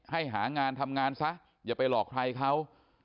หางานทำงานซะอย่าไปหลอกใครเขา